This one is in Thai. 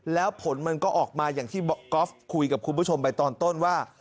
แล้วผลมันก็ออกมาอย่างที่ก๊อฟคุยกับคุณผู้ชมไปตอนต้นว่า